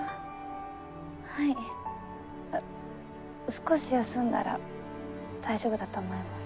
少し休んだら大丈夫だと思います。